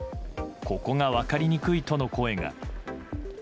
ここが分かりにくいとの声が。